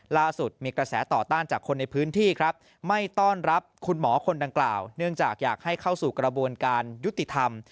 ล่าสุดมีกระแสต่อต้านจากคนในพื้นที่ครับไม่ต้อนรับคุณหมอคนดังกล่าวเนื่องจากอยากให้เข้าสู่กระบวนการยุติธรรม